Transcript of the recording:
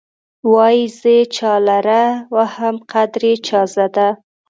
وايې زه یې چا لره وهم قدر يې چا زده.